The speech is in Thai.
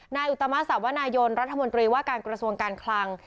อุตมะสาวนายนรัฐมนตรีว่าการกระทรวงการคลัง